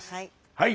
はい！